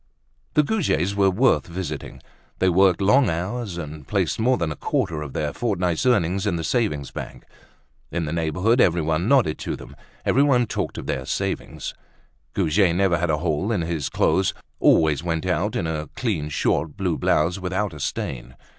The Goujets were worth visiting. They worked long hours, and placed more than a quarter of their fortnight's earnings in the savings bank. In the neighborhood everyone nodded to them, everyone talked of their savings. Goujet never had a hole in his clothes, always went out in a clean short blue blouse, without a stain.